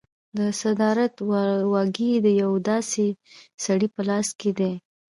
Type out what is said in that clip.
د صدارت واګې د یو داسې سړي په لاس کې دي.